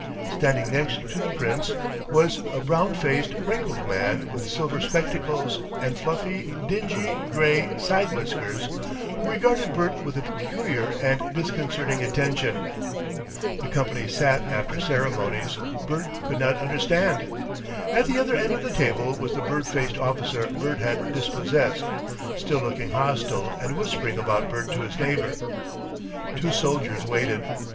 Standing next the Prince was a brown faced, wrinkled man with silver spectacles and fluffy, dingy grey side whiskers, who regarded Bert with a peculiar and disconcerting attention. The company sat after ceremonies Bert could not understand. At the other end of the table was the bird faced officer Bert had dispossessed, still looking hostile and whispering about Bert to his neighbour. Two soldiers waited.